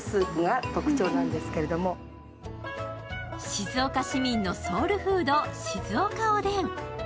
静岡市民のソウルフード静岡おでん。